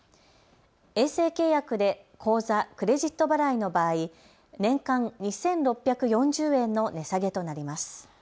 衛星契約で口座・クレジット払いの場合、年間２６４０円の値下げとなります。